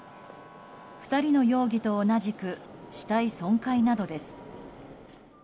２人の容疑と同じく死体損壊などです。